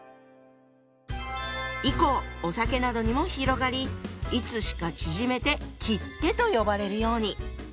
以降お酒などにも広がりいつしか縮めて「切手」と呼ばれるように。